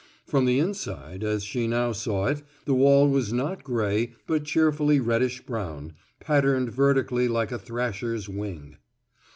From the inside, as she now saw it, the wall was not gray but cheerfully reddish brown, patterned vertically like a thrasher's wing.